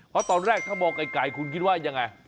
เพราะตอนแรกถ้ามองไกลคุณคิดว่ายังไง